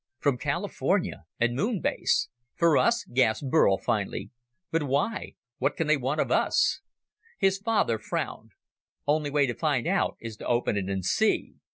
"From California and Moon Base for us?" gasped Burl, finally. "But why? What can they want of us?" His father frowned. "Only way to find out is to open it and see."